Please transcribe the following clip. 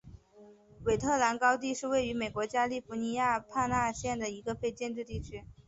韦特兰高地是位于美国加利福尼亚州纳帕县的一个非建制地区。